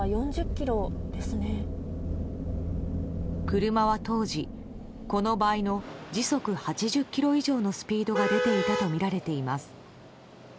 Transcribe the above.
車は当時、この倍の時速８０キロ以上のスピードが出ていたとみられています。